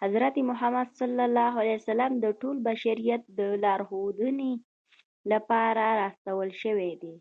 حضرت محمد ص د ټول بشریت د لارښودنې لپاره را استول شوی دی.